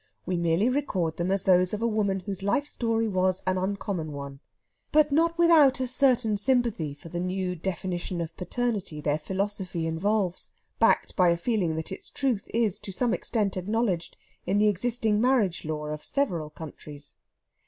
We merely record them as those of a woman whose life story was an uncommon one; but not without a certain sympathy for the new definition of paternity their philosophy involves, backed by a feeling that its truth is to some extent acknowledged in the existing marriage law of several countries.